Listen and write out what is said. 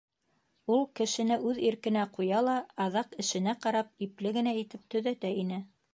Ул кешене үҙ иркенә ҡуя ла аҙаҡ, эшенә ҡарап, ипле генә итеп төҙәтә ине.